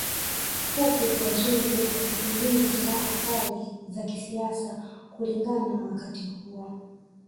Huku wazungu wakitumia sihala kali za kisasa kulingana na wakati huo